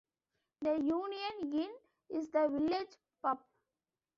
The Union Inn is the village pub.